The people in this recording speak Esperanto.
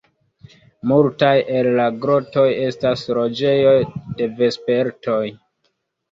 Multaj el la grotoj estas loĝejoj de vespertoj.